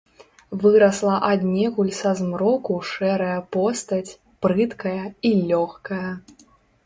Вырасла аднекуль са змроку шэрая постаць, прыткая і лёгкая.